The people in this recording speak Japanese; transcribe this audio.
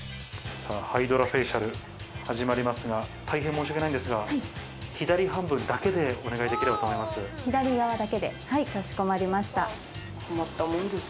さぁ、ハイドラフェイシャル始まりますが、大変申しわけないのですか、左半分だけでお願いできればと思います。